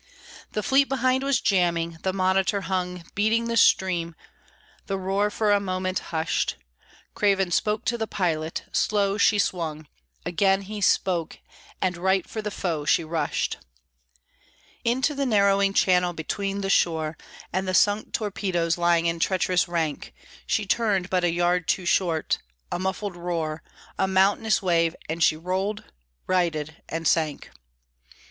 The fleet behind was jamming: the monitor hung Beating the stream; the roar for a moment hushed; Craven spoke to the pilot; slow she swung; Again he spoke, and right for the foe she rushed Into the narrowing channel, between the shore And the sunk torpedoes lying in treacherous rank; She turned but a yard too short; a muffled roar, A mountainous wave, and she rolled, righted, and sank.